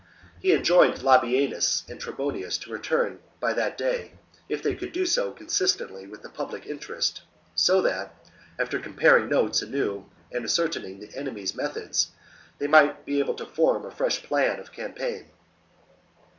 He enjoined Labienus and Trebonius to return by that day, if they could do so consistently with the public interest, so that, after comparing notes anew and ascertaining the enemy's methods, they might be able to form a fresh plan of campaign.